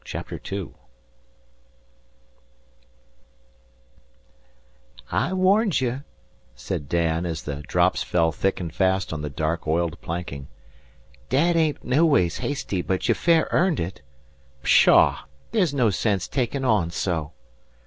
CHAPTER II "I warned ye," said Dan, as the drops fell thick and fast on the dark, oiled planking. "Dad ain't noways hasty, but you fair earned it. Pshaw! there's no sense takin' on so."